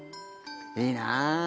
いいな。